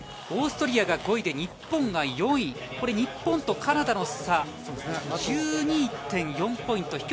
オーストリアが５位で、日本が４位、日本とカナダの差１２．４ポイント。